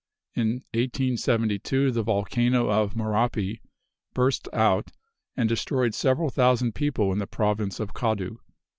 In 1872 the volcano of Mirapi burst out and destroyed several thousand people in the province of Kadu.